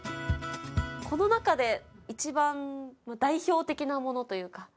この中で一番代表的なものというか。